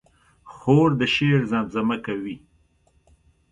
خور د شعر زمزمه کوي.